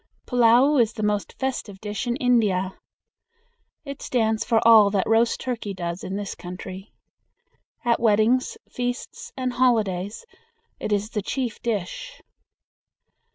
Pullao is the most festive dish in India. It stands for all that roast turkey does in this country. At weddings, feasts, and holidays it is the chief dish.